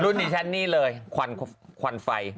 รุ่นนี้มีชั้นนี้เลยควันไฟ